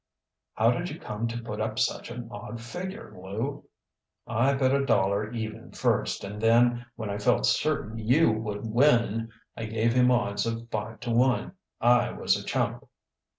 "How did you come to put up such an odd figure, Lew"? "I bet a dollar even first, and then, when I felt certain you would win, I gave him odds of five to one. I was a chump."